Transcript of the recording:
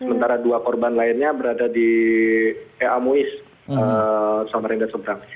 sementara dua korban lainnya berada di ea muis samarenda sebrang